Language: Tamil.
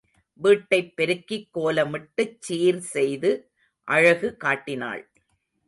வீட்டைப் பெருக்கிக் கோலமிட்டுச் சீர் செய்து அழகு காட்டினாள்.